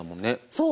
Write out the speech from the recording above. そう。